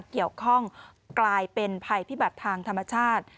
เกี่ยวข้องกลายเป็นภัยพิบัติทางธรรมชาติ